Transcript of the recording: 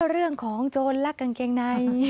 เรื่องของโจรและกางเกงใน